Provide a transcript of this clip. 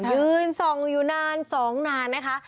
ยืนส่องอยู่นาน๒นานนะคะ